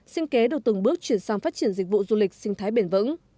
sinh kế được từng bước chuyển sang phát triển dịch vụ du lịch sinh thái bền vững